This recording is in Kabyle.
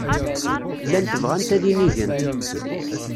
Llant bɣant ad inigent.